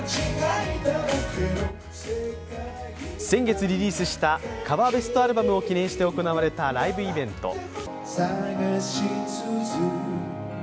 先月リリースしたカバーベストアルバムを記念して行われたライブイベント。